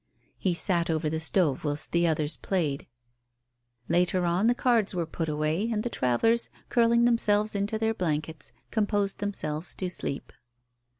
He sat over the stove whilst the others played. Later on the cards were put away, and the travellers, curling themselves into their blankets, composed themselves to sleep.